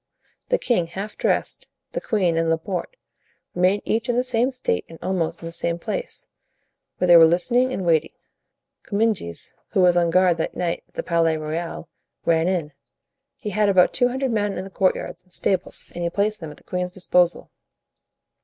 The king, half dressed, the queen and Laporte remained each in the same state and almost in the same place, where they were listening and waiting. Comminges, who was on guard that night at the Palais Royal, ran in. He had about two hundred men in the courtyards and stables, and he placed them at the queen's disposal.